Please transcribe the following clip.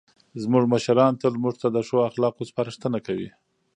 زموږ مشران تل موږ ته د ښو اخلاقو سپارښتنه کوي.